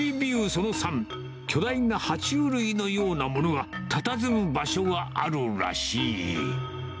その３、巨大なは虫類のようなものがたたずむ場所があるらしい。